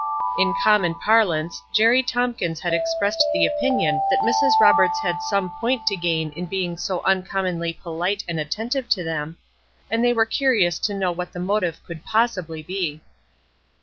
In common parlance, Jerry Tompkins had expressed the opinion that Mrs. Roberts had some point to gain in being so uncommonly polite and attentive to them, and they were curious to know what the motive could possibly be.